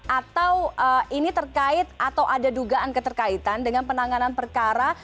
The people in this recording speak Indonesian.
atau ini terkait atau ada dugaan keterkaitan dengan penanganan perkara